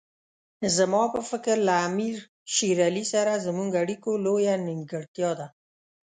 زما په فکر له امیر شېر علي سره زموږ اړیکو لویه نیمګړتیا ده.